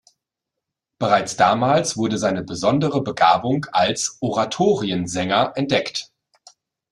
Bereits damals wurde seine besondere Begabung als Oratoriensänger entdeckt.